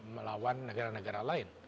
melawan negara negara lain